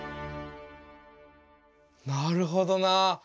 なるほどなあ。